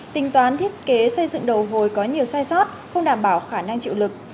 tính toán thiết kế xây dựng đầu hồi có nhiều sai sót không đảm bảo khả năng chịu lực